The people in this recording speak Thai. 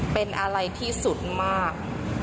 เป็นอะไรที่สุดมาก